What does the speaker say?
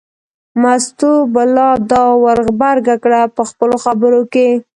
مستو به لا دا ور غبرګه کړه په خپلو خبرو کې.